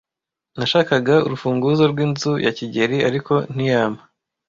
Nashakaga urufunguzo rw'inzu ya kigeli, ariko ntiyampa.